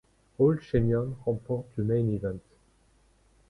Ole Schemion remporte le Main Event.